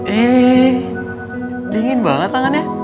eh dingin banget tangannya